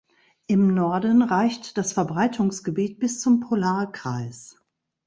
Im Norden reicht das Verbreitungsgebiet bis zum Polarkreis.